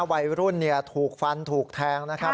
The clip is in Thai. วัยรุ่นถูกฟันถูกแทงนะครับ